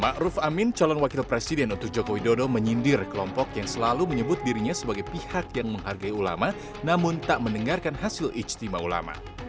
⁇ ruf amin calon wakil presiden untuk jokowi dodo menyindir kelompok yang selalu menyebut dirinya sebagai pihak yang menghargai ulama namun tak mendengarkan hasil ijtima ulama